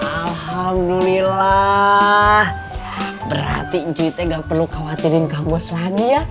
alhamdulillah berarti ucuy teh gak perlu khawatirin kang bos lagi ya